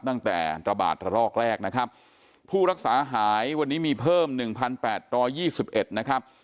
ตั้งแต่ระบาดรอกแรกนะครับผู้รักษาหายวันนี้มีเพิ่ม๑๘๒๑นะครับ